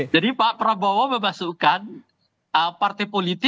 jadi pak prabowo memasukkan partai politik ini